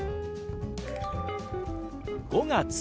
「５月」。